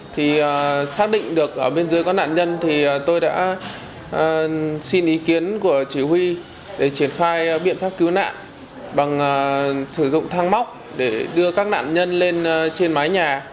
thì xác định được ở bên dưới có nạn nhân thì tôi đã xin ý kiến của chỉ huy để triển khai biện pháp cứu nạn bằng sử dụng thang móc để đưa các nạn nhân lên trên mái nhà